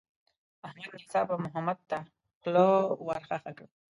احمد ناڅاپه محمد ته خوله ورخښه کړه.